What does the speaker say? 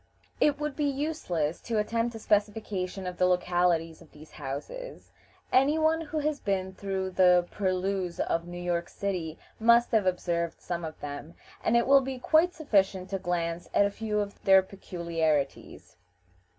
It would be useless to attempt a specification of the localities of these houses; any one who has been through the purlieus of New York City must have observed some of them, and it will be quite sufficient to glance at a few of their peculiarities.